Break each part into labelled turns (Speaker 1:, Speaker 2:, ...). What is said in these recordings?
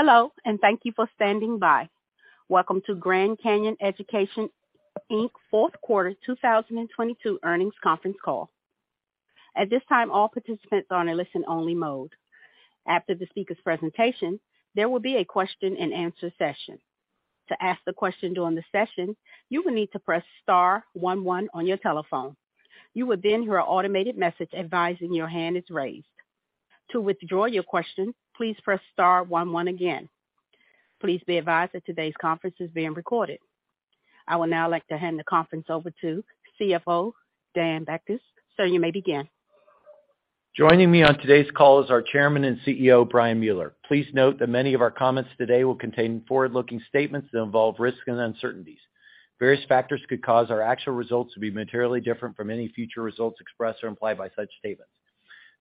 Speaker 1: Hello, thank you for standing by. Welcome to Grand Canyon Education Inc.'s fourth quarter 2022 earnings conference call. At this time, all participants are in a listen-only mode. After the speaker's presentation, there will be a question-and-answer session. To ask the question during the session, you will need to press star one one on your telephone. You will hear an automated message advising your hand is raised. To withdraw your question, please press star one one again. Please be advised that today's conference is being recorded. I would now like to hand the conference over to CFO, Dan Bachus. Sir, you may begin.
Speaker 2: Joining me on today's call is our Chairman and CEO, Brian Mueller. Please note that many of our comments today will contain forward-looking statements that involve risks and uncertainties. Various factors could cause our actual results to be materially different from any future results expressed or implied by such statements.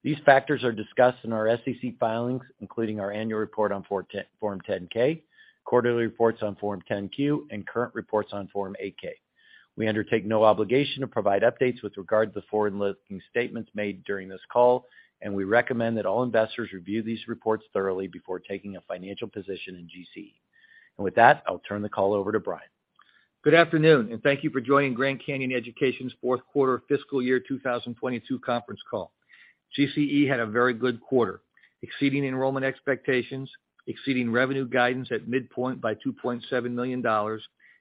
Speaker 2: These factors are discussed in our SEC filings, including our annual report on Form 10-K, quarterly reports on Form 10-Q, and current reports on Form 8-K. We undertake no obligation to provide updates with regard to the forward-looking statements made during this call, and we recommend that all investors review these reports thoroughly before taking a financial position in GCE. With that, I'll turn the call over to Brian.
Speaker 3: Good afternoon, thank you for joining Grand Canyon Education's fourth quarter fiscal year 2022 conference call. GCE had a very good quarter, exceeding enrollment expectations, exceeding revenue guidance at midpoint by $2.7 million,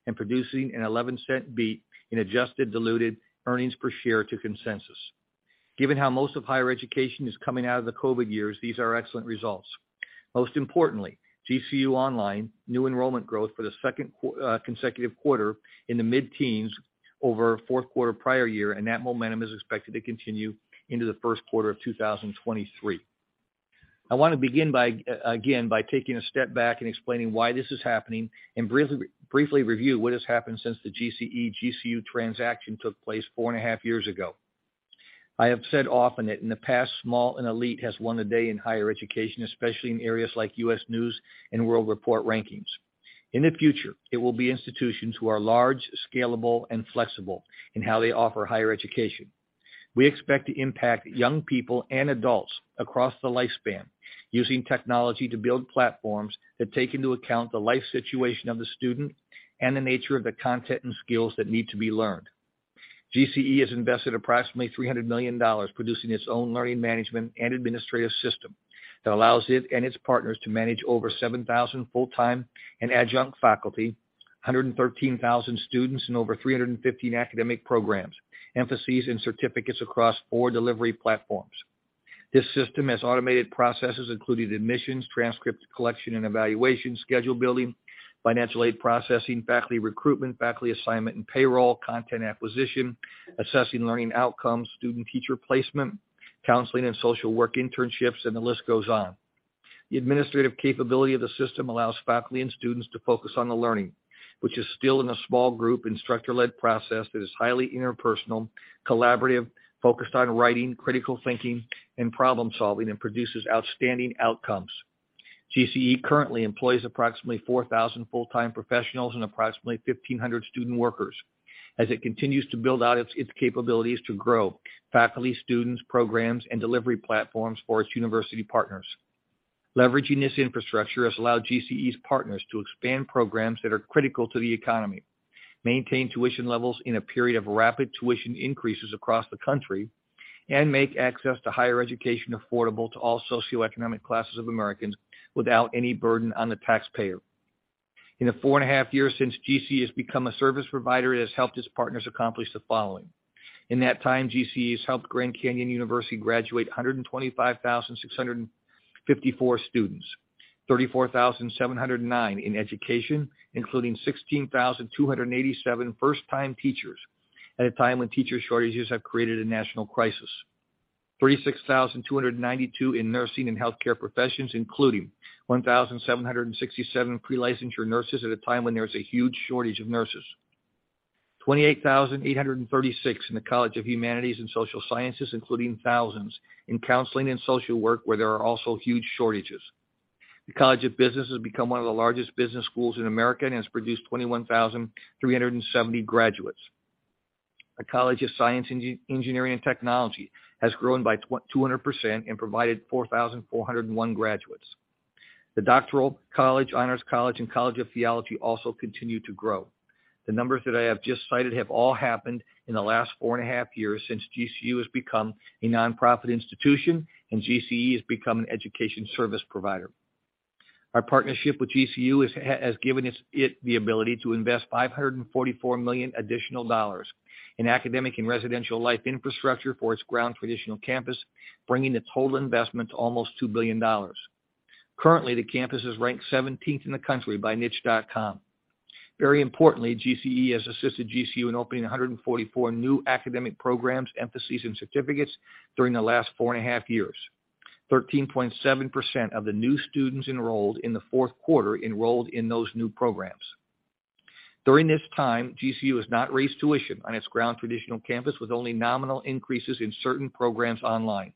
Speaker 3: and producing an $0.11 beat in adjusted diluted earnings per share to consensus. Given how most of higher education is coming out of the COVID years, these are excellent results. Most importantly, GCU Online, new enrollment growth for the second consecutive quarter in the mid-teens over fourth quarter prior year, and that momentum is expected to continue into the first quarter of 2023. I wanna begin by again, by taking a step back and explaining why this is happening and briefly review what has happened since the GCE GCU transaction took place four and a half years ago. I have said often that in the past, small and elite has won the day in higher education, especially in areas like U.S. News & World Report rankings. In the future, it will be institutions who are large, scalable, and flexible in how they offer higher education. We expect to impact young people and adults across the lifespan using technology to build platforms that take into account the life situation of the student and the nature of the content and skills that need to be learned. GCE has invested approximately $300 million producing its own learning management and administrative system that allows it and its partners to manage over 7,000 full-time and adjunct faculty, 113,000 students in over 315 academic programs, emphases, and certificates across four delivery platforms. This system has automated processes, including admissions, transcript collection and evaluation, schedule building, financial aid processing, faculty recruitment, faculty assignment, and payroll, content acquisition, assessing learning outcomes, student-teacher placement, counseling and social work internships, and the list goes on. The administrative capability of the system allows faculty and students to focus on the learning, which is still in a small group, instructor-led process that is highly interpersonal, collaborative, focused on writing, critical thinking, and problem-solving and produces outstanding outcomes. GCE currently employs approximately 4,000 full-time professionals and approximately 1,500 student workers as it continues to build out its capabilities to grow faculty, students, programs, and delivery platforms for its university partners. Leveraging this infrastructure has allowed GCE's partners to expand programs that are critical to the economy, maintain tuition levels in a period of rapid tuition increases across the country, and make access to higher education affordable to all socioeconomic classes of Americans without any burden on the taxpayer. In the four and a half years since GCE has become a service provider, it has helped its partners accomplish the following. In that time, GCE has helped Grand Canyon University graduate 125,654 students, 34,709 in education, including 16,287 first-time teachers at a time when teacher shortages have created a national crisis. 36,292 in nursing and healthcare professions, including 1,767 pre-licensure nurses at a time when there's a huge shortage of nurses. 28,836 in the College of Humanities and Social Sciences, including thousands in counseling and social work, where there are also huge shortages. The College of Business has become one of the largest business schools in America and has produced 21,370 graduates. The College of Science, Engineering and Technology has grown by 200% and provided 4,401 graduates. The Doctoral College, Honors College, and College of Theology also continue to grow. The numbers that I have just cited have all happened in the last four and a half years since GCU has become a nonprofit institution and GCE has become an education service provider. Our partnership with GCU has given us the ability to invest $544 million additional dollars in academic and residential life infrastructure for its ground traditional campus, bringing the total investment to almost $2 billion. Currently, the campus is ranked 17th in the country by Niche.com. Very importantly, GCE has assisted GCU in opening 144 new academic programs, emphases, and certificates during the last four and a half years. 13.7% of the new students enrolled in the fourth quarter enrolled in those new programs. During this time, GCU has not raised tuition on its ground traditional campus, with only nominal increases in certain programs online.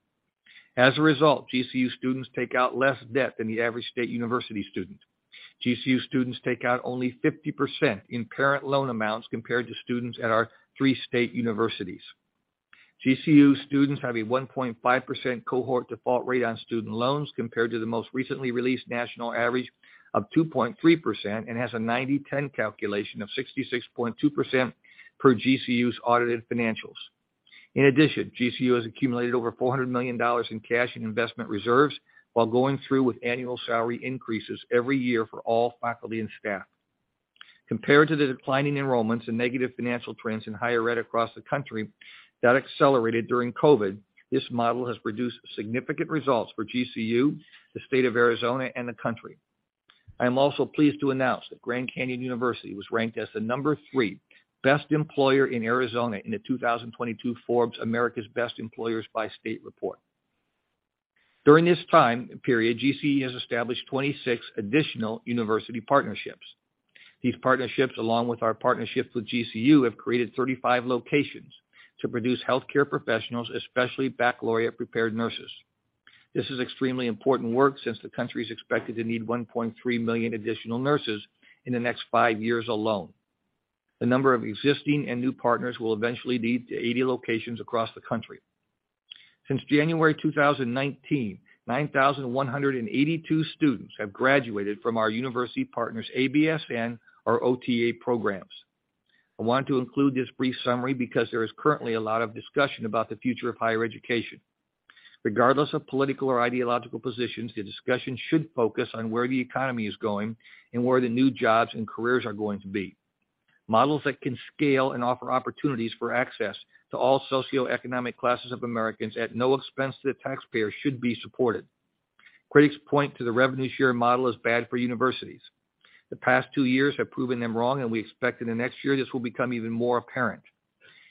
Speaker 3: As a result, GCU students take out less debt than the average state university student. GCU students take out only 50% in parent loan amounts compared to students at our three state universities. GCU students have a 1.5% cohort default rate on student loans compared to the most recently released national average of 2.3%, and has a 90/10 calculation of 66.2% per GCU's audited financials. In addition, GCU has accumulated over $400 million in cash and investment reserves while going through with annual salary increases every year for all faculty and staff. Compared to the declining enrollments and negative financial trends in higher ed across the country that accelerated during COVID, this model has produced significant results for GCU, the state of Arizona, and the country. I am also pleased to announce that Grand Canyon University was ranked as the number three best employer in Arizona in the 2022 Forbes America's Best Employers by State report. During this time period, GCU has established 26 additional university partnerships. These partnerships, along with our partnerships with GCU, have created 35 locations to produce healthcare professionals, especially baccalaureate-prepared nurses. This is extremely important work since the country is expected to need 1.3 million additional nurses in the next five years alone. The number of existing and new partners will eventually lead to 80 locations across the country. Since January 2019, 9,182 students have graduated from our university partners ABSN or OTA programs. I want to include this brief summary because there is currently a lot of discussion about the future of higher education. Regardless of political or ideological positions, the discussion should focus on where the economy is going and where the new jobs and careers are going to be. Models that can scale and offer opportunities for access to all socioeconomic classes of Americans at no expense to the taxpayer should be supported. Critics point to the revenue share model as bad for universities. The past two years have proven them wrong, and we expect in the next year this will become even more apparent.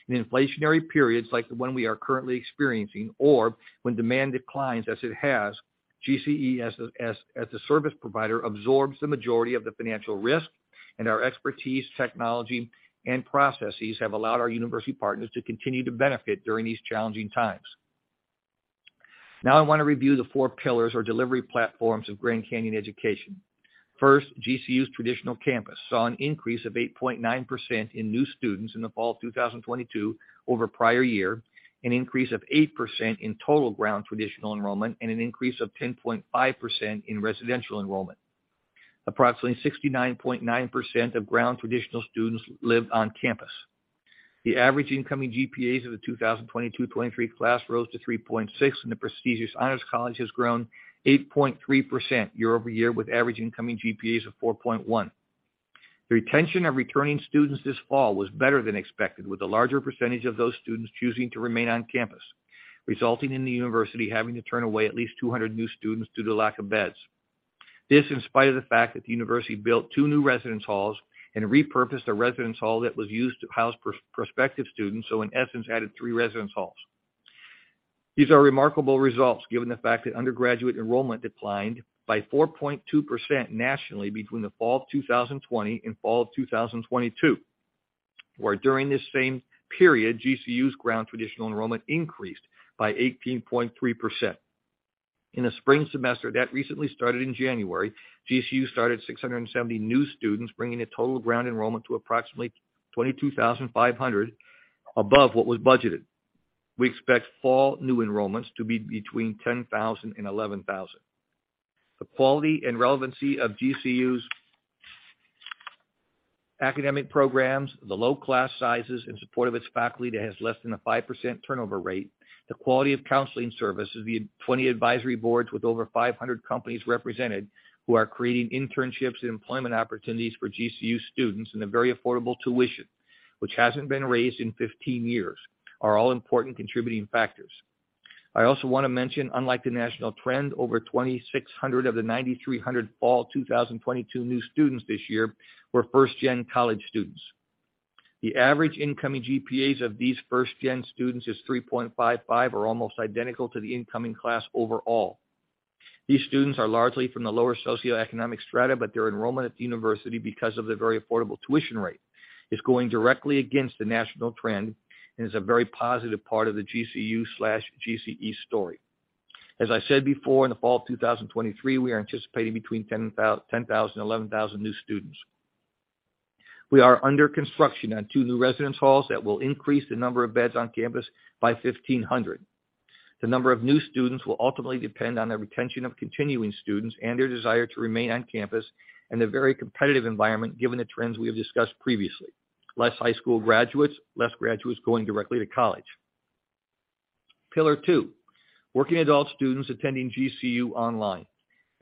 Speaker 3: In inflationary periods like the one we are currently experiencing, or when demand declines, as it has, GCE as a service provider absorbs the majority of the financial risk, and our expertise, technology, and processes have allowed our university partners to continue to benefit during these challenging times. I wanna review the four pillars or delivery platforms of Grand Canyon Education. GCU's traditional campus saw an increase of 8.9% in new students in the fall of 2022 over prior year, an increase of 8% in total ground traditional enrollment, and an increase of 10.5% in residential enrollment. Approximately 69.9% of ground traditional students live on campus. The average incoming GPAs of the 2022/2023 class rose to 3.6, and the prestigious Honors College has grown 8.3% year-over-year, with average incoming GPAs of 4.1. The retention of returning students this fall was better than expected, with a larger percentage of those students choosing to remain on campus, resulting in the university having to turn away at least 200 new students due to lack of beds. This in spite of the fact that the university built two new residence halls and repurposed a residence hall that was used to house prospective students, so in essence, added three residence halls. These are remarkable results given the fact that undergraduate enrollment declined by 4.2% nationally between the fall of 2020 and fall of 2022. Where during this same period, GCU's ground traditional enrollment increased by 18.3%. In the spring semester that recently started in January, GCU started 670 new students, bringing the total ground enrollment to approximately 22,500 above what was budgeted. We expect fall new enrollments to be between 10,000 and 11,000. The quality and relevancy of GCU's academic programs, the low class sizes in support of its faculty that has less than a 5% turnover rate, the quality of counseling services, the 20 advisory boards with over 500 companies represented who are creating internships and employment opportunities for GCU students, a very affordable tuition, which hasn't been raised in 15 years, are all important contributing factors. I also wanna mention, unlike the national trend, over 2,600 of the 9,300 fall 2022 new students this year were first-gen college students. The average incoming GPAs of these first-gen students is 3.55, or almost identical to the incoming class overall. Their enrollment at the university because of the very affordable tuition rate is going directly against the national trend and is a very positive part of the GCU/GCE story. As I said before, in the fall of 2023, we are anticipating between 10,000-11,000 new students. We are under construction on two new residence halls that will increase the number of beds on campus by 1,500. The number of new students will ultimately depend on the retention of continuing students and their desire to remain on campus in a very competitive environment given the trends we have discussed previously. Less high school graduates, less graduates going directly to college. Pillar two: working adult students attending GCU Online.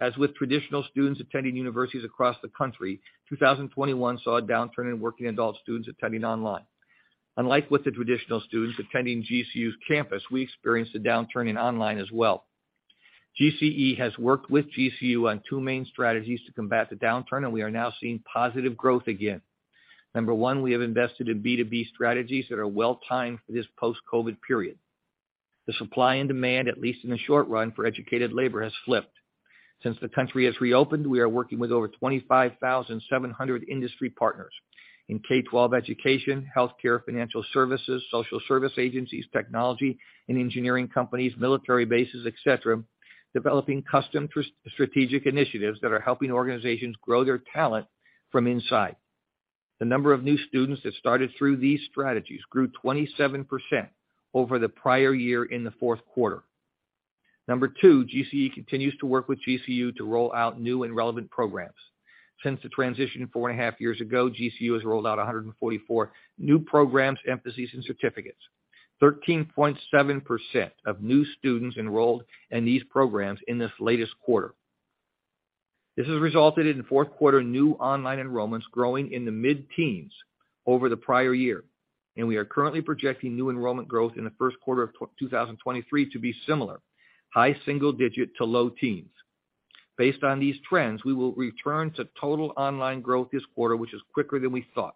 Speaker 3: As with traditional students attending universities across the country, 2021 saw a downturn in working adult students attending online. Unlike with the traditional students attending GCU's campus, we experienced a downturn in online as well. GCE has worked with GCU on two main strategies to combat the downturn, and we are now seeing positive growth again. Number one, we have invested in B2B strategies that are well timed for this post-COVID period. The supply and demand, at least in the short run, for educated labor has flipped. Since the country has reopened, we are working with over 25,700 industry partners in K12 education, healthcare, financial services, social service agencies, technology and engineering companies, military bases, et cetera, developing custom strategic initiatives that are helping organizations grow their talent from inside. The number of new students that started through these strategies grew 27% over the prior year in the fourth quarter. Number two, GCE continues to work with GCU to roll out new and relevant programs. Since the transition four and a half years ago, GCU has rolled out 144 new programs, emphases, and certificates. 13.7% of new students enrolled in these programs in this latest quarter. This has resulted in fourth quarter new online enrollments growing in the mid-teens over the prior year, and we are currently projecting new enrollment growth in the first quarter of 2023 to be similar, high single digit to low teens. Based on these trends, we will return to total online growth this quarter, which is quicker than we thought.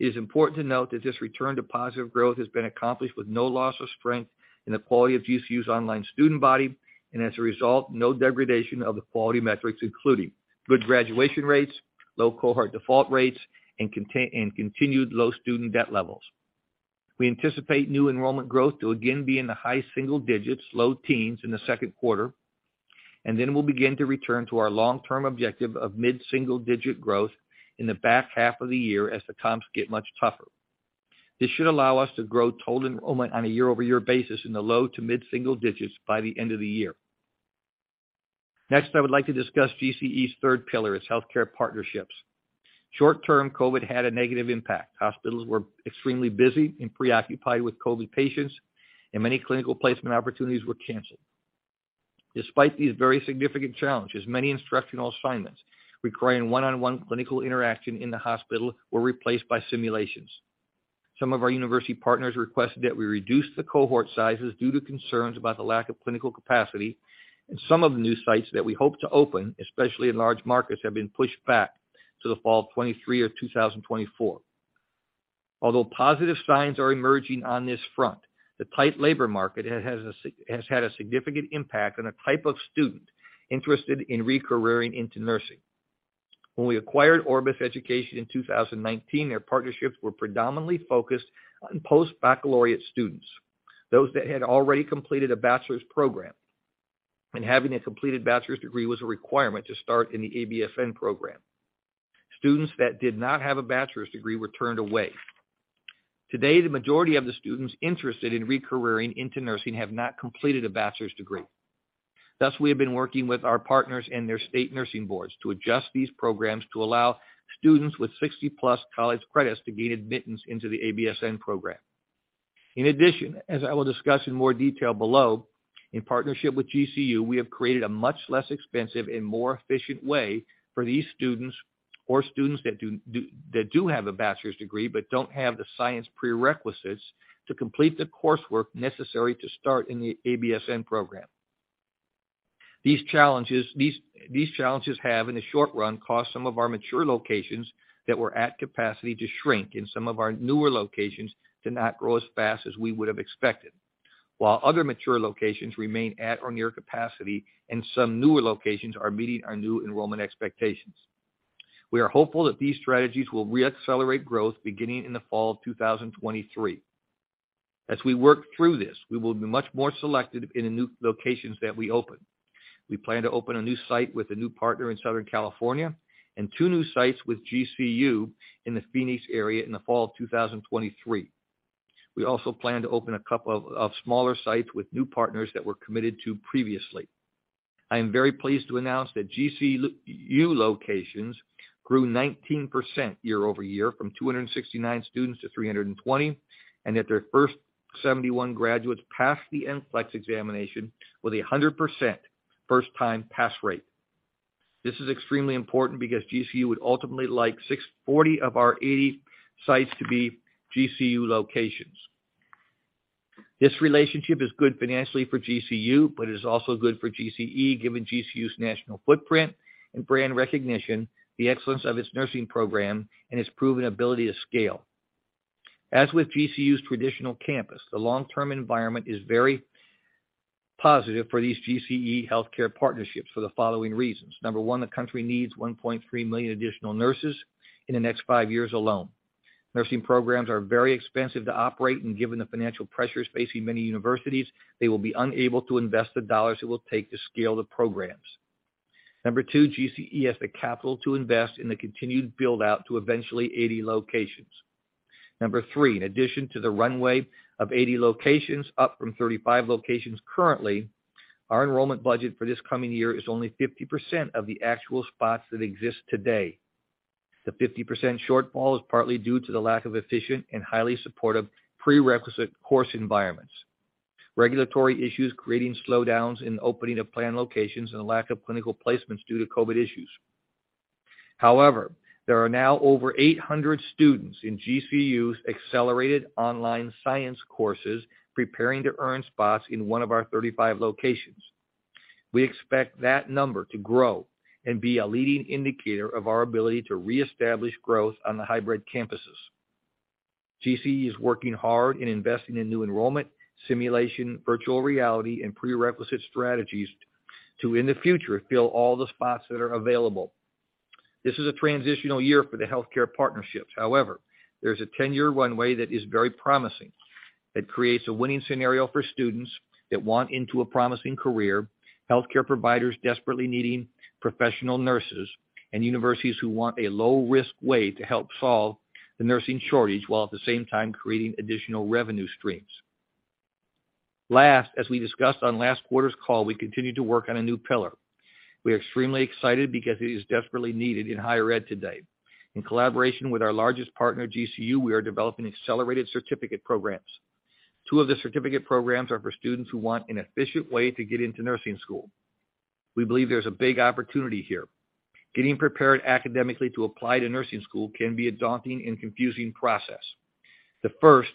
Speaker 3: It is important to note that this return to positive growth has been accomplished with no loss of strength in the quality of GCU's online student body, and as a result, no degradation of the quality metrics, including good graduation rates, low cohort default rates, and continued low student debt levels. We anticipate new enrollment growth to again be in the high single digits, low teens in the second quarter, and then we'll begin to return to our long-term objective of mid-single digit growth in the back half of the year as the comps get much tougher. This should allow us to grow total enrollment on a year-over-year basis in the low to mid-single digits by the end of the year. Next, I would like to discuss GCE's third pillar, its healthcare partnerships. Short-term COVID had a negative impact. Hospitals were extremely busy and preoccupied with COVID patients, and many clinical placement opportunities were canceled. Despite these very significant challenges, many instructional assignments requiring one-on-one clinical interaction in the hospital were replaced by simulations. Some of our university partners requested that we reduce the cohort sizes due to concerns about the lack of clinical capacity. Some of the new sites that we hope to open, especially in large markets, have been pushed back to the fall of 2023 or 2024. Although positive signs are emerging on this front, the tight labor market has had a significant impact on the type of student interested in re-careering into nursing. When we acquired Orbis Education in 2019, their partnerships were predominantly focused on post-baccalaureate students, those that had already completed a bachelor's program, and having a completed bachelor's degree was a requirement to start in the ABSN program. Students that did not have a bachelor's degree were turned away. Today, the majority of the students interested in re-careering into nursing have not completed a bachelor's degree. We have been working with our partners and their state nursing boards to adjust these programs to allow students with 60+ college credits to gain admittance into the ABSN program. As I will discuss in more detail below, in partnership with GCU, we have created a much less expensive and more efficient way for these students or students that do have a bachelor's degree but don't have the science prerequisites to complete the coursework necessary to start in the ABSN program. These challenges, these challenges have, in the short run, caused some of our mature locations that were at capacity to shrink and some of our newer locations to not grow as fast as we would have expected. Other mature locations remain at or near capacity, and some newer locations are meeting our new enrollment expectations. We are hopeful that these strategies will re-accelerate growth beginning in the fall of 2023. As we work through this, we will be much more selective in the new locations that we open. We plan to open a new site with a new partner in Southern California and two new sites with GCU in the Phoenix area in the fall of 2023. We also plan to open a couple of smaller sites with new partners that we're committed to previously. I am very pleased to announce that GCU locations grew 19% year-over-year from 269 students to 320, and that their first 71 graduates passed the NCLEX examination with a 100% first-time pass rate. This is extremely important because GCU would ultimately like 40 of our 80 sites to be GCU locations. This relationship is good financially for GCU, but it is also good for GCE, given GCU's national footprint and brand recognition, the excellence of its nursing program, and its proven ability to scale. As with GCU's traditional campus, the long-term environment is very positive for these GCE healthcare partnerships for the following reasons. Number one, the country needs 1.3 million additional nurses in the next five years alone. Nursing programs are very expensive to operate, and given the financial pressures facing many universities, they will be unable to invest the dollars it will take to scale the programs. Number two, GCE has the capital to invest in the continued build-out to eventually 80 locations. Number three, in addition to the runway of 80 locations, up from 35 locations currently, our enrollment budget for this coming year is only 50% of the actual spots that exist today. The 50% shortfall is partly due to the lack of efficient and highly supportive prerequisite course environments, regulatory issues creating slowdowns in opening of planned locations, and a lack of clinical placements due to COVID issues. There are now over 800 students in GCU's accelerated online science courses preparing to earn spots in one of our 35 locations. We expect that number to grow and be a leading indicator of our ability to reestablish growth on the hybrid campuses. GCE is working hard in investing in new enrollment, simulation, virtual reality, and prerequisite strategies to, in the future, fill all the spots that are available. This is a transitional year for the healthcare partnerships. However, there's a 10-year runway that is very promising. That creates a winning scenario for students that want into a promising career, healthcare providers desperately needing professional nurses, and universities who want a low-risk way to help solve the nursing shortage while at the same time creating additional revenue streams. Last, as we discussed on last quarter's call, we continue to work on a new pillar. We are extremely excited because it is desperately needed in higher ed today. In collaboration with our largest partner, GCU, we are developing accelerated certificate programs. Two of the certificate programs are for students who want an efficient way to get into nursing school. We believe there's a big opportunity here. Getting prepared academically to apply to nursing school can be a daunting and confusing process. The first,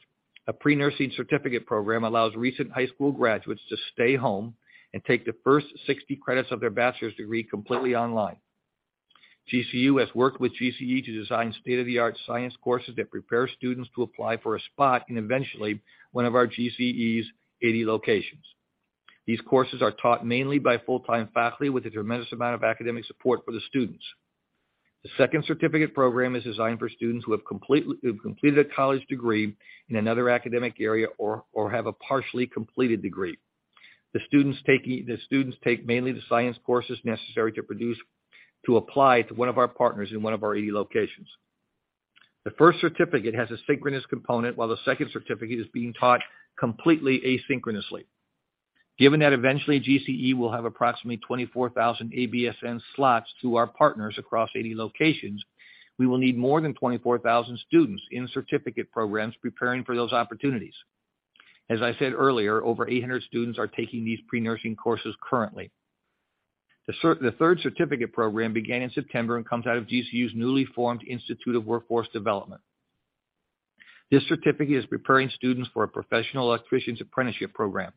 Speaker 3: a pre-nursing certificate program, allows recent high school graduates to stay home and take the first 60 credits of their bachelor's degree completely online. GCU has worked with GCE to design state-of-the-art science courses that prepare students to apply for a spot in eventually one of our GCE's 80 locations. These courses are taught mainly by full-time faculty with a tremendous amount of academic support for the students. The second certificate program is designed for students who have completed a college degree in another academic area or have a partially completed degree. The students take mainly the science courses necessary to apply to one of our partners in one of our 80 locations. The first certificate has a synchronous component, while the second certificate is being taught completely asynchronously. Given that eventually GCE will have approximately 24,000 ABSN slots to our partners across 80 locations, we will need more than 24,000 students in certificate programs preparing for those opportunities. As I said earlier, over 800 students are taking these pre-nursing courses currently. The third certificate program began in September and comes out of GCU's newly formed Institute of Workforce Development. This certificate is preparing students for a professional electrician's apprenticeship program.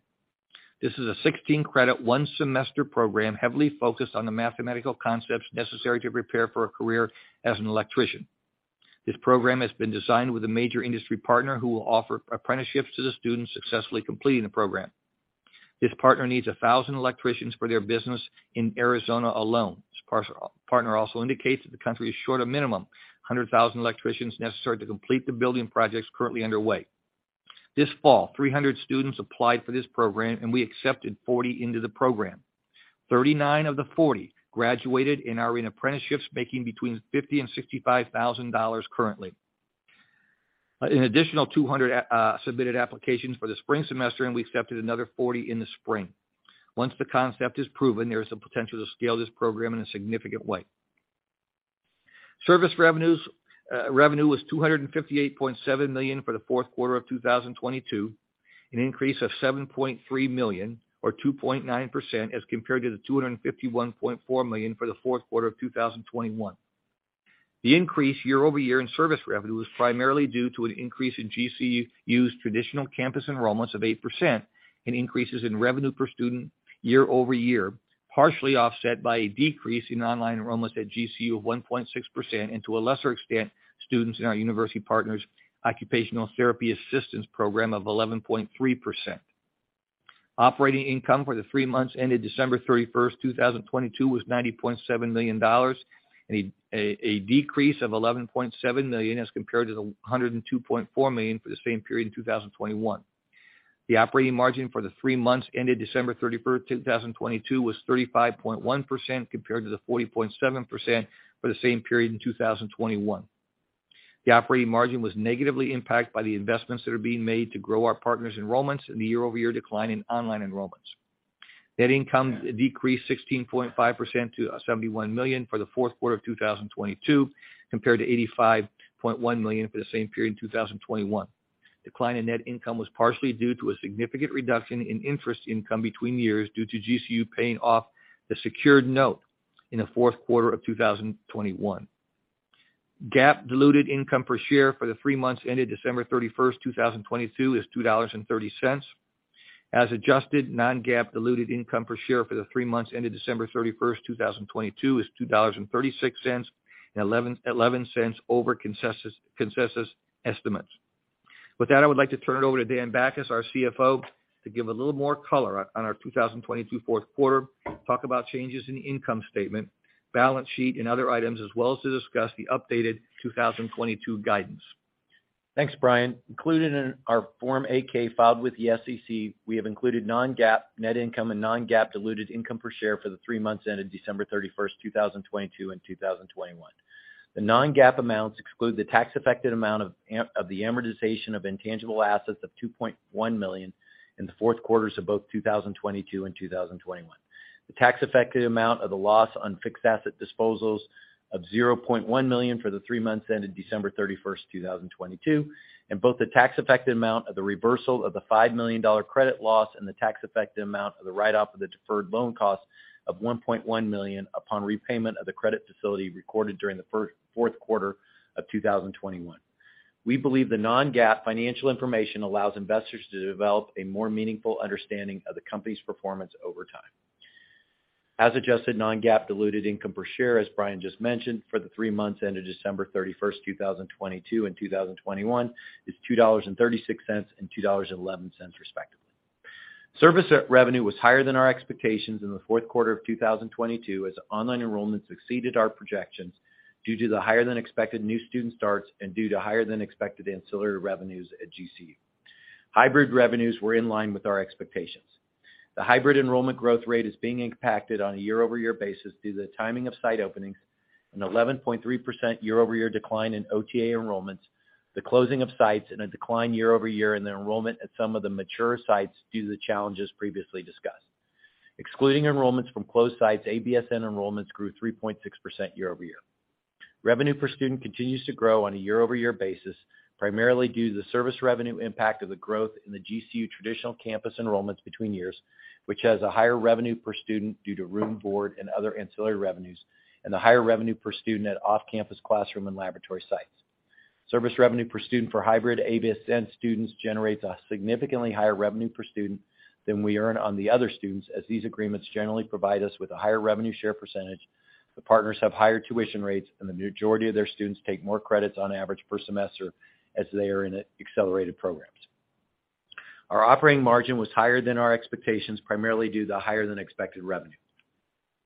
Speaker 3: This is a 16-credit, one-semester program heavily focused on the mathematical concepts necessary to prepare for a career as an electrician. This program has been designed with a major industry partner who will offer apprenticeships to the students successfully completing the program. This partner needs 1,000 electricians for their business in Arizona alone. This partner also indicates that the country is short a minimum of 100,000 electricians necessary to complete the building projects currently underway. This fall, 300 students applied for this program, and we accepted 40 into the program. 39 of the 40 graduated and are in apprenticeships making between $50,000 and $65,000 currently. An additional 200 submitted applications for the spring semester, and we accepted another 40 in the spring. Once the concept is proven, there is the potential to scale this program in a significant way. Service revenue was $258.7 million for the fourth quarter of 2022, an increase of $7.3 million or 2.9% as compared to the $251.4 million for the fourth quarter of 2021. The increase year-over-year in service revenue was primarily due to an increase in GCU's traditional campus enrollments of 8% and increases in revenue per student year-over-year, partially offset by a decrease in online enrollments at GCU of 1.6% and to a lesser extent, students in our university partners occupational therapy assistance program of 11.3%. Operating income for the three months ended December 31st 2022 was $90.7 million, a decrease of $11.7 million as compared to the $102.4 million for the same period in 2021. The operating margin for the three months ended December 31st 2022 was 35.1% compared to the 40.7% for the same period in 2021. The operating margin was negatively impacted by the investments that are being made to grow our partners' enrollments and the year-over-year decline in online enrollments. Net income decreased 16.5% to $71 million for the fourth quarter of 2022, compared to $85.1 million for the same period in 2021. Decline in net income was partially due to a significant reduction in interest income between years due to GCU paying off the secured note in the fourth quarter of 2021. GAAP diluted income per share for the three months ended December 31st, 2022 is $2.30. As adjusted, non-GAAP diluted income per share for the three months ended December 31st, 2022 is $2.36 and 11 cents over consensus estimates. With that, I would like to turn it over to Dan Bachus, our CFO, to give a little more color on our 2022 fourth quarter, talk about changes in the income statement, balance sheet and other items, as well as to discuss the updated 2022 guidance.
Speaker 2: Thanks, Brian. Included in our Form 8-K filed with the SEC, we have included non-GAAP net income and non-GAAP diluted income per share for the three months ended December 31, 2022 and 2021. The non-GAAP amounts exclude the tax-affected amount of the amortization of intangible assets of $2.1 million in the fourth quarters of both 2022 and 2021. The tax-affected amount of the loss on fixed asset disposals of $0.1 million for the three months ended December 31, 2022, and both the tax-affected amount of the reversal of the $5 million credit loss and the tax-affected amount of the write-off of the deferred loan cost of $1.1 million upon repayment of the credit facility recorded during the fourth quarter of 2021. We believe the non-GAAP financial information allows investors to develop a more meaningful understanding of the company's performance over time. As adjusted, non-GAAP diluted income per share, as Brian just mentioned, for the three months ended December 31st 2022 and 2021 is $2.36 and $2.11, respectively. Service revenue was higher than our expectations in the fourth quarter of 2022 as online enrollment succeeded our projections due to the higher than expected new student starts and due to higher than expected ancillary revenues at GCU. Hybrid revenues were in line with our expectations. The hybrid enrollment growth rate is being impacted on a year-over-year basis due to the timing of site openings, an 11.3% year-over-year decline in OTA enrollments, the closing of sites, and a decline year-over-year in the enrollment at some of the mature sites due to the challenges previously discussed. Excluding enrollments from closed sites, ABSN enrollments grew 3.6% year-over-year. Revenue per student continues to grow on a year-over-year basis, primarily due to the service revenue impact of the growth in the GCU traditional campus enrollments between years, which has a higher revenue per student due to room board and other ancillary revenues, and the higher revenue per student at off-campus classroom and laboratory sites. Service revenue per student for hybrid ABSN students generates a significantly higher revenue per student than we earn on the other students, as these agreements generally provide us with a higher revenue share percentage, the partners have higher tuition rates, and the majority of their students take more credits on average per semester as they are in accelerated programs. Our operating margin was higher than our expectations, primarily due to higher than expected revenue.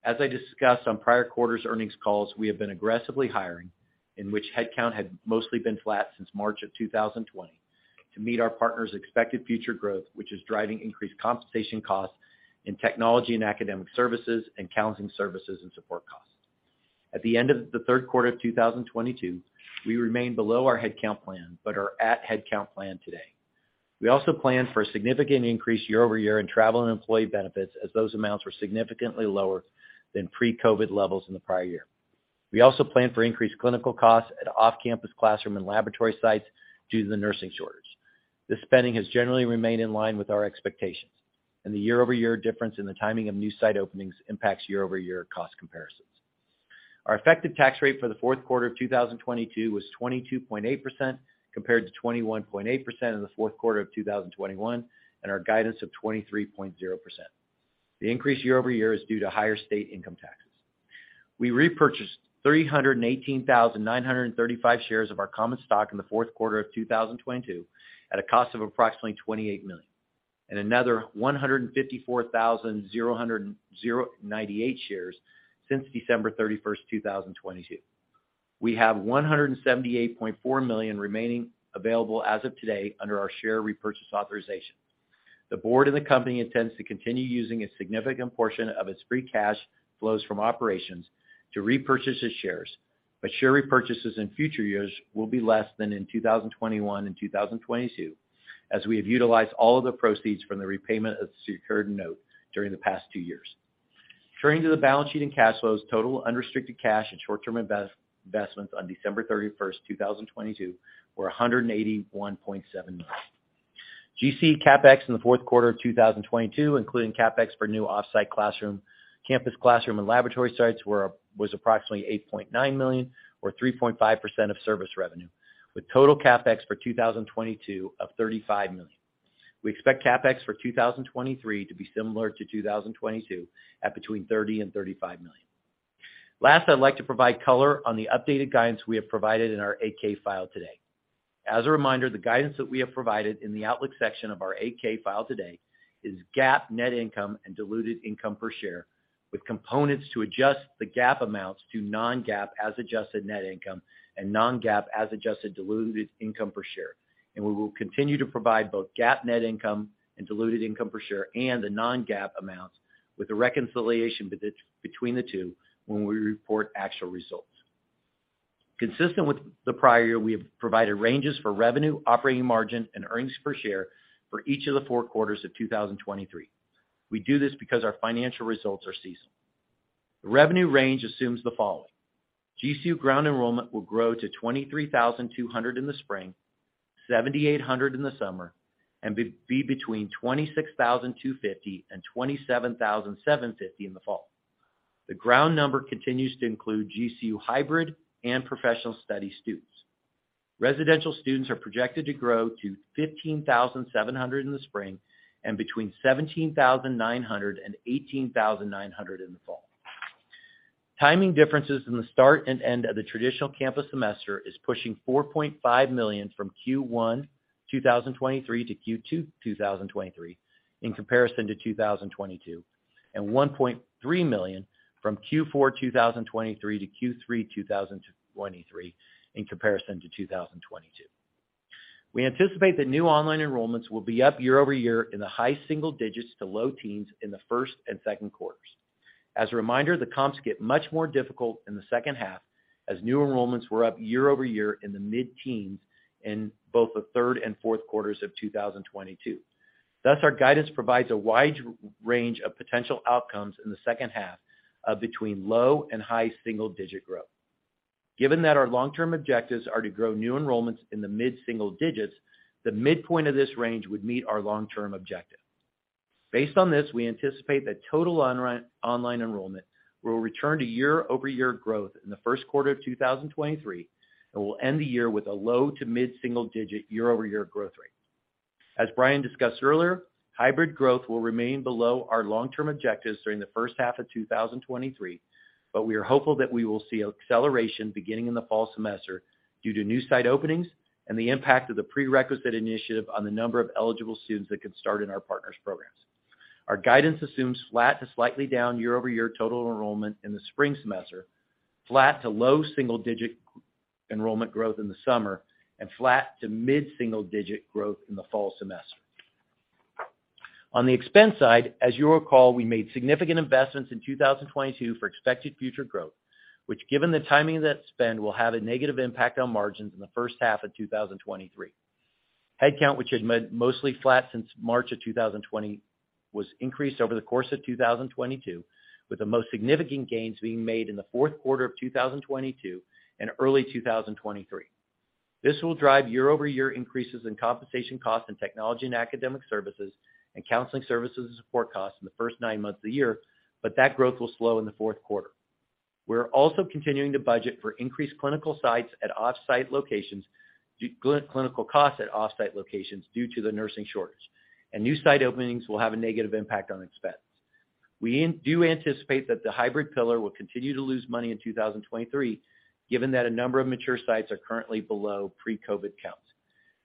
Speaker 2: As I discussed on prior quarters earnings calls, we have been aggressively hiring, in which headcount had mostly been flat since March of 2020, to meet our partners' expected future growth, which is driving increased compensation costs in technology and academic services and counseling services and support costs. At the end of the third quarter of 2022, we remained below our headcount plan, but are at headcount plan today. We also plan for a significant increase year-over-year in travel and employee benefits, as those amounts were significantly lower than pre-COVID levels in the prior year. We also plan for increased clinical costs at off-campus classroom and laboratory sites due to the nursing shortage. This spending has generally remained in line with our expectations. The year-over-year difference in the timing of new site openings impacts year-over-year cost comparisons. Our effective tax rate for the fourth quarter of 2022 was 22.8% compared to 21.8% in the fourth quarter of 2021, and our guidance of 23.0%. The increase year-over-year is due to higher state income taxes. We repurchased 318,935 shares of our common stock in the fourth quarter of 2022 at a cost of approximately $28 million, and another 154,098 shares since December 31st, 2022. We have $178.4 million remaining available as of today under our share repurchase authorization. The board and the company intends to continue using a significant portion of its free cash flows from operations to repurchase its shares, but share repurchases in future years will be less than in 2021 and 2022, as we have utilized all of the proceeds from the repayment of the secured note during the past two years. Turning to the balance sheet and cash flows, total unrestricted cash and short-term investments on December 31st 2022, were $181.7 million. GCE CapEx in the fourth quarter of 2022, including CapEx for new off-site classroom, campus classroom, and laboratory sites, was approximately $8.9 million, or 3.5% of service revenue, with total CapEx for 2022 of $35 million. We expect CapEx for 2023 to be similar to 2022 at between $30 million and $35 million. Last, I'd like to provide color on the updated guidance we have provided in our Form 8-K filed today. As a reminder, the guidance that we have provided in the outlook section of our 8-K file today is GAAP net income and diluted income per share, with components to adjust the GAAP amounts to non-GAAP as adjusted net income and non-GAAP as adjusted diluted income per share. We will continue to provide both GAAP net income and diluted income per share and the non-GAAP amounts with the reconciliation between the two when we report actual results. Consistent with the prior year, we have provided ranges for revenue, operating margin, and earnings per share for each of the four quarters of 2023. We do this because our financial results are seasonal. The revenue range assumes the following: GCU ground enrollment will grow to 23,200 in the spring, 7,800 in the summer, and be between 26,250 and 27,750 in the fall. The ground number continues to include GCU hybrid and professional studies students. Residential students are projected to grow to 15,700 in the spring and between 17,900 and 18,900 in the fall. Timing differences in the start and end of the traditional campus semester is pushing $4.5 million from Q1 2023 to Q2 2023 in comparison to 2022, and $1.3 million from Q4 2023 to Q3 2023 in comparison to 2022. We anticipate that new online enrollments will be up year-over-year in the high single digits to low teens in the first and second quarters. As a reminder, the comps get much more difficult in the second half as new enrollments were up year-over-year in the mid-teens in both the third and fourth quarters of 2022. Thus, our guidance provides a wide range of potential outcomes in the second half of between low and high single-digit growth. Given that our long-term objectives are to grow new enrollments in the mid-single digits, the midpoint of this range would meet our long-term objective. Based on this, we anticipate that total online enrollment will return to year-over-year growth in the first quarter of 2023 and will end the year with a low to mid-single digit year-over-year growth rate. As Brian discussed earlier, hybrid growth will remain below our long-term objectives during the first half of 2023, but we are hopeful that we will see acceleration beginning in the fall semester due to new site openings and the impact of the prerequisite initiative on the number of eligible students that can start in our partners' programs. Our guidance assumes flat to slightly down year-over-year total enrollment in the spring semester, flat to low single-digit enrollment growth in the summer, and flat to mid-single digit growth in the fall semester. On the expense side, as you'll recall, we made significant investments in 2022 for expected future growth, which given the timing of that spend, will have a negative impact on margins in the first half of 2023. Headcount, which had been mostly flat since March of 2020, was increased over the course of 2022, with the most significant gains being made in the fourth quarter of 2022 and early 2023. This will drive year-over-year increases in compensation costs and technology and academic services and counseling services and support costs in the first nine months of the year. That growth will slow in the fourth quarter. We're also continuing to budget for increased clinical sites at off-site locations clinical costs at off-site locations due to the nursing shortage, and new site openings will have a negative impact on expense. We do anticipate that the hybrid pillar will continue to lose money in 2023, given that a number of mature sites are currently below pre-COVID counts.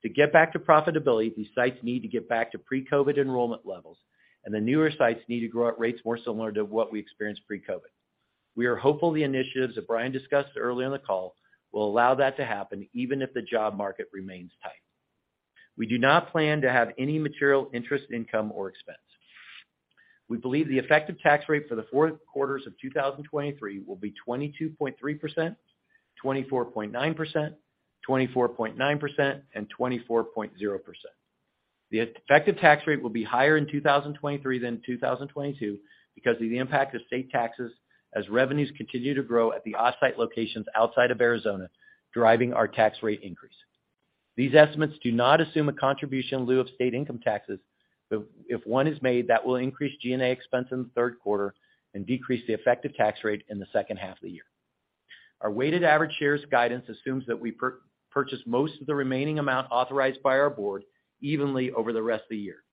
Speaker 2: To get back to profitability, these sites need to get back to pre-COVID enrollment levels, and the newer sites need to grow at rates more similar to what we experienced pre-COVID. We are hopeful the initiatives that Brian discussed earlier in the call will allow that to happen even if the job market remains tight. We do not plan to have any material interest, income or expense. We believe the effective tax rate for the fourth quarters of 2023 will be 22.3%, 24.9%, 24.9%, and 24.0%. The effective tax rate will be higher in 2023 than in 2022 because of the impact of state taxes as revenues continue to grow at the off-site locations outside of Arizona, driving our tax rate increase. These estimates do not assume a contribution in lieu of state income taxes. If one is made, that will increase G&A expense in the third quarter and decrease the effective tax rate in the second half of the year. Our weighted average shares guidance assumes that we purchase most of the remaining amount authorized by our board evenly over the rest of the year.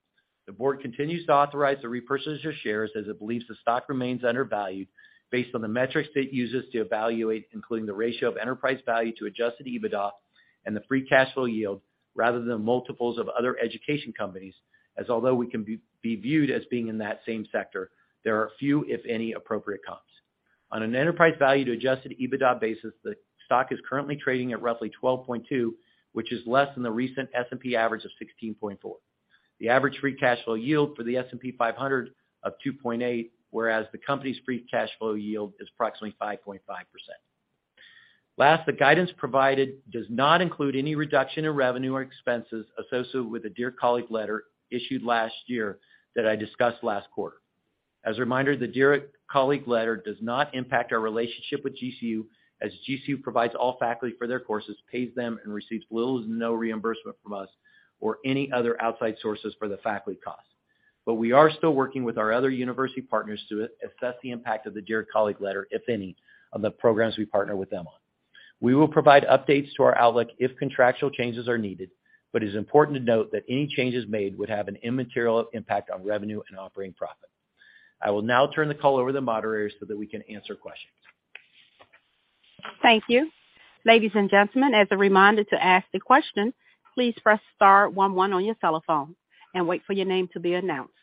Speaker 2: The board continues to authorize the repurchase of shares as it believes the stock remains undervalued based on the metrics it uses to evaluate, including the ratio of enterprise value to adjusted EBITDA and the free cash flow yield rather than multiples of other education companies, as although we can be viewed as being in that same sector, there are few, if any, appropriate comps. On an enterprise value to adjusted EBITDA basis, the stock is currently trading at roughly 12.2, which is less than the recent S&P average of 16.4. The average free cash flow yield for the S&P 500 of 2.8, whereas the company's free cash flow yield is approximately 5.5%. Last, the guidance provided does not include any reduction in revenue or expenses associated with the Dear Colleague letter issued last year that I discussed last quarter. As a reminder, the Dear Colleague letter does not impact our relationship with GCU, as GCU provides all faculty for their courses, pays them, and receives little to no reimbursement from us or any other outside sources for the faculty costs. We are still working with our other university partners to assess the impact of the Dear Colleague letter, if any, on the programs we partner with them on. We will provide updates to our outlook if contractual changes are needed, but it is important to note that any changes made would have an immaterial impact on revenue and operating profit. I will now turn the call over to the moderator so that we can answer questions.
Speaker 1: Thank you. Ladies and gentlemen, as a reminder to ask a question, please press star one one on your telephone and wait for your name to be announced.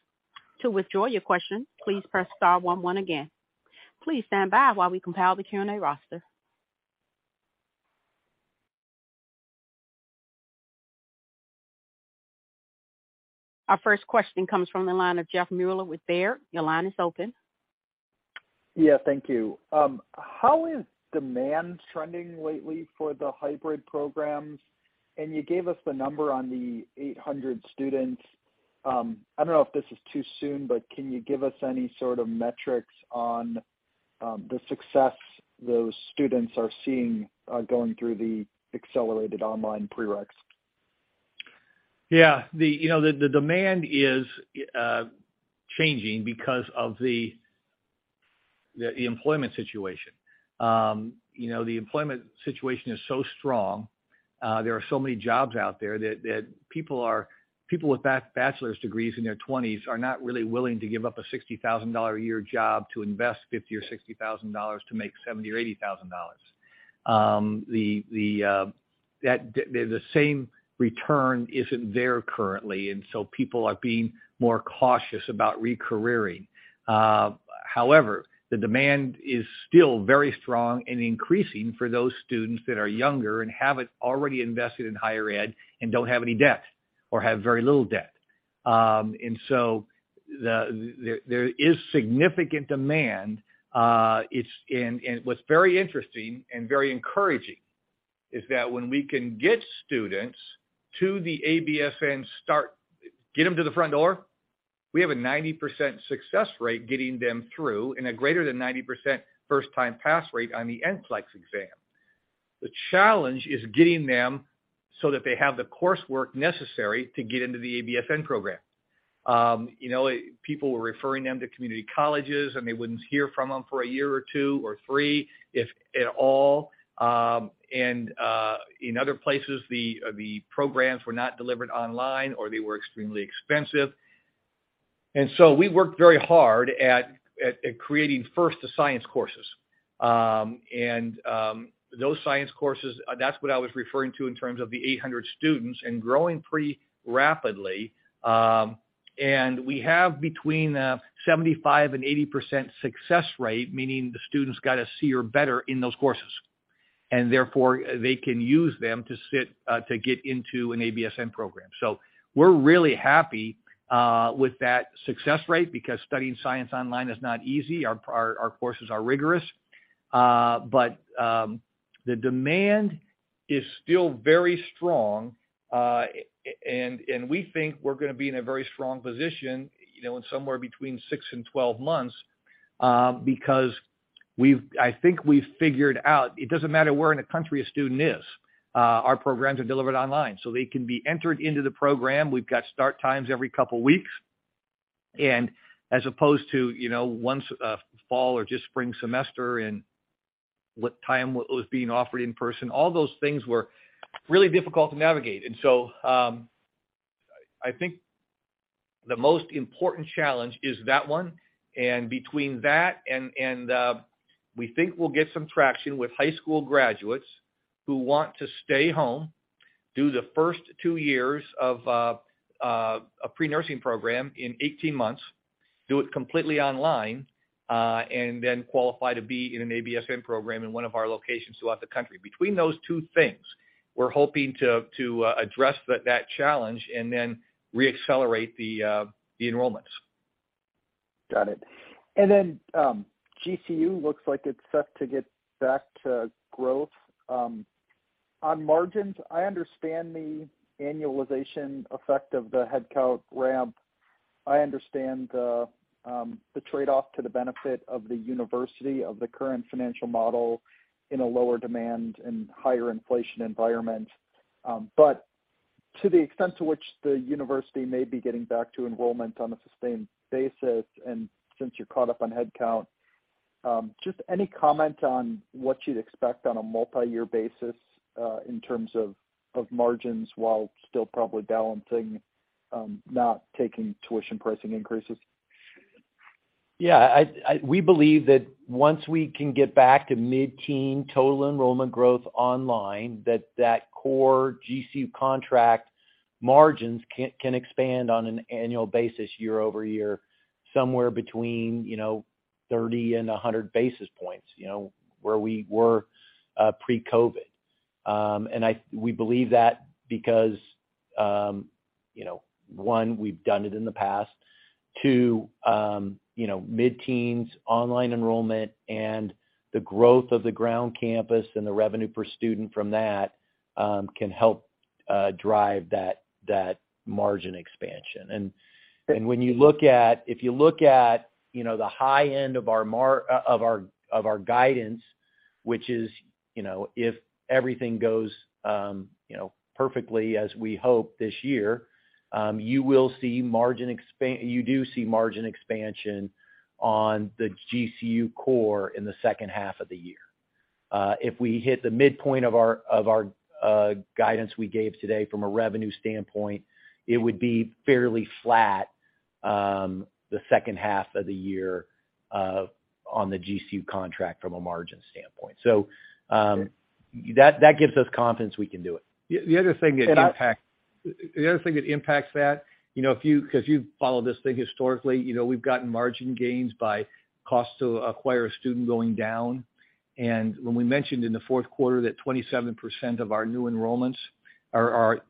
Speaker 1: To withdraw your question, please press star one one again. Please stand by while we compile the Q&A roster. Our first question comes from the line of Jeffrey Meuler with Baird. Your line is open.
Speaker 4: Yeah. Thank you. How is demand trending lately for the hybrid programs? You gave us the number on the 800 students. I don't know if this is too soon, but can you give us any sort of metrics on the success those students are seeing going through the accelerated online prereqs?
Speaker 3: Yeah. The, you know, the demand is changing because of the employment situation. You know, the employment situation is so strong, there are so many jobs out there that people with bachelor's degrees in their twenties are not really willing to give up a $60,000 a year job to invest $50,000 or $60,000 to make $70,000 or $80,000. The same return isn't there currently, and so people are being more cautious about re-careering. However, the demand is still very strong and increasing for those students that are younger and haven't already invested in higher ed and don't have any debt or have very little debt. There is significant demand. What's very interesting and very encouraging is that when we can get students to the ABSN start, get them to the front door, we have a 90% success rate getting them through and a greater than 90% first time pass rate on the NCLEX exam. The challenge is getting them so that they have the coursework necessary to get into the ABSN program. You know, people were referring them to community colleges, they wouldn't hear from them for a year or two or three, if at all. In other places, the programs were not delivered online, or they were extremely expensive. We worked very hard at creating first the science courses. Those science courses, that's what I was referring to in terms of the 800 students, growing pretty rapidly. We have between 75% and 80% success rate, meaning the students got a C or better in those courses, and therefore they can use them to get into an ABSN program. We're really happy with that success rate because studying science online is not easy. Our courses are rigorous. The demand is still very strong. We think we're gonna be in a very strong position, you know, in somewhere between six and 12 months, because I think we've figured out it doesn't matter where in the country a student is, our programs are delivered online. They can be entered into the program. We've got start times every couple weeks. As opposed to, you know, once, fall or just spring semester and what time it was being offered in person, all those things were really difficult to navigate. I think the most important challenge is that one. Between that, we think we'll get some traction with high school graduates who want to stay home, do the first two years of a pre-nursing program in 18 months, do it completely online, and then qualify to be in an ABSN program in one of our locations throughout the country. Between those two things, we're hoping to address that challenge and then reaccelerate the enrollments.
Speaker 4: Got it. GCU looks like it's set to get back to growth. On margins, I understand the annualization effect of the headcount ramp. I understand the trade-off to the benefit of the university of the current financial model in a lower demand and higher inflation environment. But to the extent to which the university may be getting back to enrollment on a sustained basis, and since you're caught up on headcount, just any comment on what you'd expect on a multi-year basis, in terms of margins while still probably balancing not taking tuition pricing increases?
Speaker 3: Yeah, we believe that once we can get back to mid-teen total enrollment growth online, that core GCU contract margins can expand on an annual basis year-over-year, somewhere between, you know, 30 and 100 basis points, you know, where we were pre-COVID. We believe that because, you know, one, we've done it in the past. Two, you know, mid-teens online enrollment and the growth of the ground campus and the revenue per student from that can help drive that margin expansion. When you look at if you look at, you know, the high end of our of our, of our guidance, which is, you know, if everything goes, you know, perfectly as we hope this year, you will see margin expansion on the GCU core in the second half of the year. If we hit the midpoint of our, of our guidance we gave today from a revenue standpoint, it would be fairly flat the second half of the year on the GCU contract from a margin standpoint. That gives us confidence we can do it.
Speaker 2: The other thing that impacts that, you know, 'cause you've followed this thing historically, you know, we've gotten margin gains by cost to acquire a student going down. When we mentioned in the fourth quarter that 27% of our new enrollments are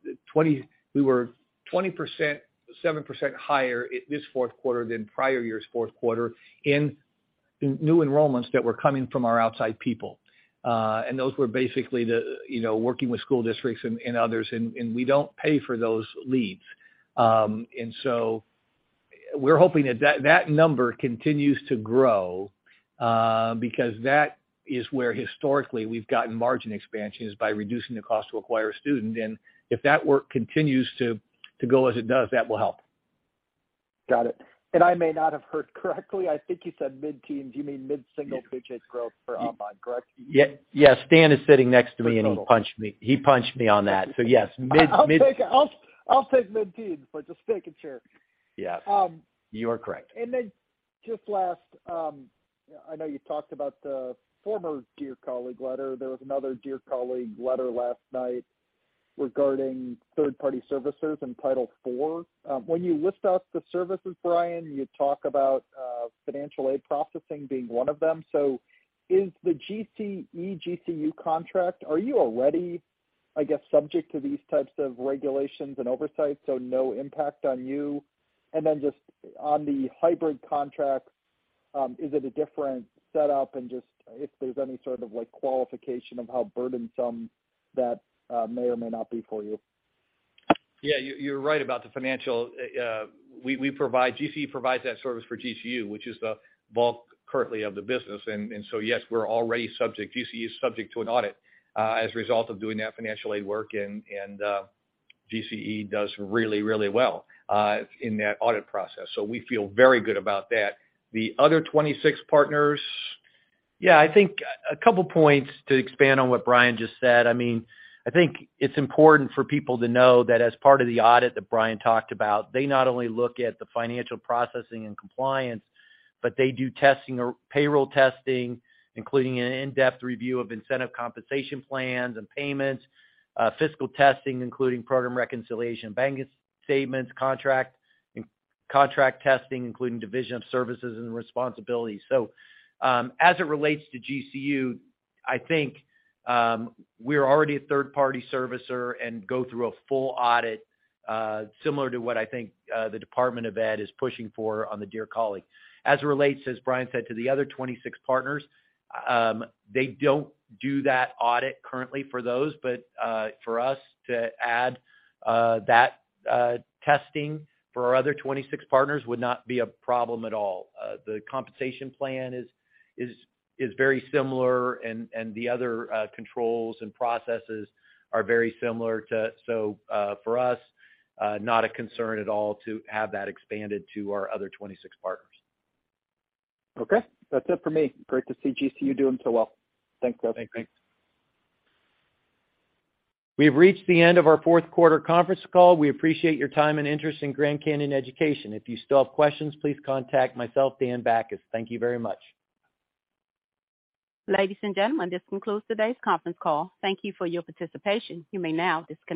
Speaker 2: we were 20%, 7% higher at this fourth quarter than prior year's fourth quarter in new enrollments that were coming from our outside people. Those were basically the, you know, working with school districts and others, and we don't pay for those leads. So we're hoping that that number continues to grow because that is where historically we've gotten margin expansion, is by reducing the cost to acquire a student. If that work continues to go as it does, that will help.
Speaker 4: Got it. I may not have heard correctly. I think you said mid-teens. You mean mid-single digits growth for online, correct?
Speaker 3: Yeah. Yeah. Dan is sitting next to me. He punched me. He punched me on that. Yes, mid.
Speaker 4: I'll take mid-teens. Just making sure.
Speaker 3: You are correct.
Speaker 4: Just last, I know you talked about the former Dear Colleague letter. There was another Dear Colleague letter last night regarding third-party servicers in Title IV. When you list out the services, Brian, you talk about financial aid processing being one of them. Is the GCE-GCU contract, are you already, I guess, subject to these types of regulations and oversight, so no impact on you? Just on the hybrid contract, is it a different setup? And just if there's any sort of, like, qualification of how burdensome that may or may not be for you?
Speaker 3: Yeah. You're right about the financial. GCE provides that service for GCU, which is the bulk currently of the business. Yes, we're already subject. GCE is subject to an audit as a result of doing that financial aid work. GCE does really, really well in that audit process. We feel very good about that. The other 26 partners...
Speaker 2: Yeah. I think a couple points to expand on what Brian just said. I mean, I think it's important for people to know that as part of the audit that Brian talked about, they not only look at the financial processing and compliance, but they do testing or payroll testing, including an in-depth review of incentive compensation plans and payments, fiscal testing, including program reconciliation, bank statements, contract testing, including division of services and responsibilities. As it relates to GCU, we're already a third-party servicer and go through a full audit, similar to what the Department of Education is pushing for on the Dear Colleague. As it relates, as Brian said, to the other 26 partners, they don't do that audit currently for those. For us to add that testing for our other 26 partners would not be a problem at all. The compensation plan is very similar and the other controls and processes are very similar, for us, not a concern at all to have that expanded to our other 26 partners.
Speaker 4: Okay. That's it for me. Great to see GCU doing so well. Thanks, guys.
Speaker 3: Thanks.
Speaker 2: We've reached the end of our fourth quarter conference call. We appreciate your time and interest in Grand Canyon Education. If you still have questions, please contact myself, Dan Bachus. Thank you very much.
Speaker 1: Ladies and gentlemen, this concludes today's conference call. Thank you for your participation. You may now disconnect.